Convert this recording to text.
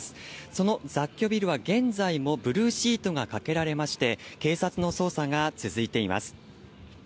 その雑居ビルは現在もブルーシートがかけられまして、警察の捜査が続いています。